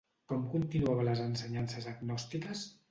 Com continuava les ensenyances gnòstiques?